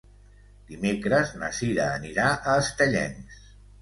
Dimecres na Cira anirà a Estellencs.